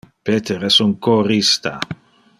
Peter es un chorista.